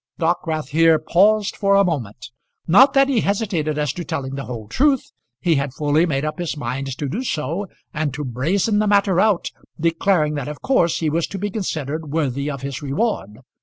Dockwrath here paused for a moment. Not that he hesitated as to telling the whole truth. He had fully made up his mind to do so, and to brazen the matter out, declaring that of course he was to be considered worthy of his reward.